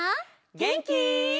げんき？